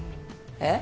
えっ？